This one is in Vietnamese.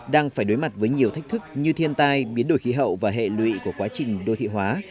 đang phải đối mặt với nhiều thách thức như thiên tai biến đổi khí hậu và hệ lụy của quá trình đô thị hóa